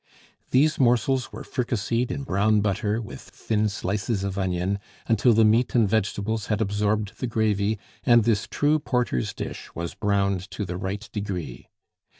These morsels were fricasseed in brown butter, with thin slices of onion, until the meat and vegetables had absorbed the gravy and this true porter's dish was browned to the right degree.